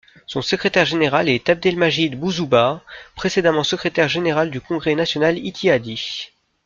Son secrétaire général est Abdelmajid Bouzoubaa, précédemment secrétaire général du Congrès national ittihadi.